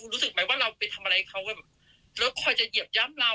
รู้สึกไหมว่าเราไปทำอะไรให้เขาก็ว่าพอจะเหยียบย้ำเรา